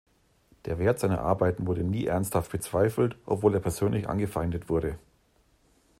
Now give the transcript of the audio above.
Der Wert seiner Arbeiten wurde nie ernsthaft bezweifelt, obwohl er persönlich angefeindet wurde.